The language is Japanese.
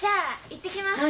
行ってきます。